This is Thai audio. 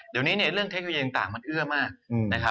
เดี๋ยวนี้เนี่ยเรื่องเทคโนโลยีต่างมันเอื้อมากนะครับ